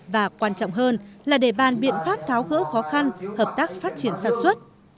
và quan trọng hơn là để bàn biện pháp tháo gỡ khó khăn hợp tác phát triển sản xuất